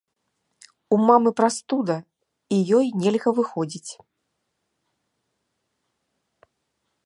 У мамы прастуда і ёй нельга выходзіць.